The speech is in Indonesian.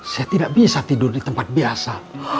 saya tidak bisa tidur di tempat biasa